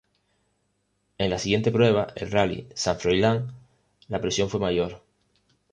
En la siguiente prueba, el Rally San Froilán la presión fue mayor.